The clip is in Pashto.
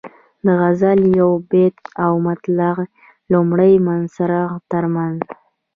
د غزل یو بیت او د مطلع لومړۍ مصرع ترمنځ.